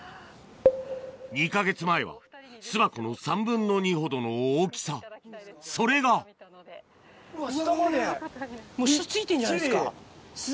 ２か月前は巣箱の３分の２ほどの大きさそれがもう下ついてんじゃないですか。